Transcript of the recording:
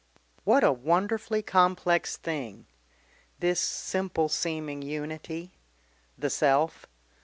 What a wonderfully complex thing! this simple seeming unity the self!